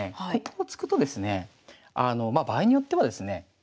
ここを突くとですね場合によってはですね